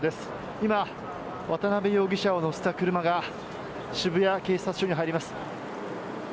今、渡辺容疑者を乗せた車が渋谷警察署に入ります。